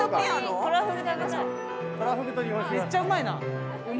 めっちゃうまいな。